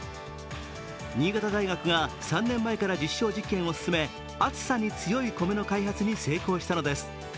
新潟大学が３年前から実証実験を進め暑さに強い米の開発に成功したのです。